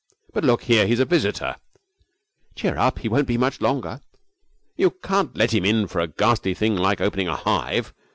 'But look here, he's a visitor ' 'Cheer up! He won't be much longer.' 'You can't let him in for a ghastly thing like opening a hive.